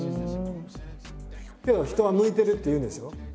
けど人は「向いてる」って言うんですよ。